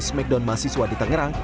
smackdown mahasiswa di tangerang